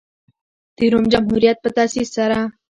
د روم جمهوریت په تاسیس سره.